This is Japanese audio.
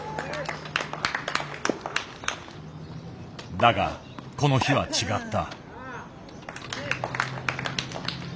たがこの日は違った。